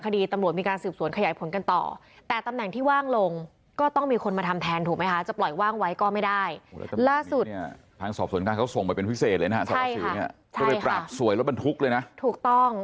สารวัตรสิวเนี่ยก็ไปปรากสวยแล้วมันทุกข์เลยนะใช่ค่ะถูกต้อง